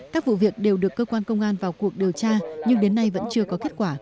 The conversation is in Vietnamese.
các vụ việc đều được cơ quan công an vào cuộc điều tra nhưng đến nay vẫn chưa có kết quả